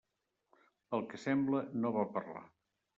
Pel que sembla no va parlar.